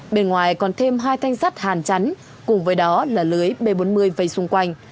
bên ngoài còn thêm hai thanh sắt hàn chắn cùng với đó là lưới b bốn mươi vây xung quanh